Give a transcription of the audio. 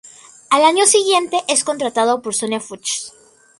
Al año siguiente, es contratado por Sonia Fuchs.